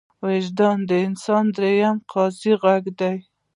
وجدان د انسان د دروني قاضي غږ دی.